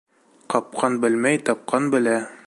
Ҡапҡан белмәй, тапҡан белә.